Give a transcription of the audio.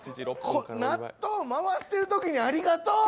この納豆回してるときにありがとう！